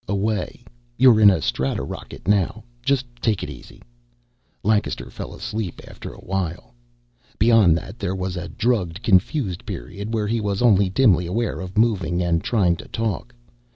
"Away. You're in a stratorocket now. Just take it easy." Lancaster fell asleep after awhile. Beyond that there was a drugged, confused period where he was only dimly aware of moving and trying to talk.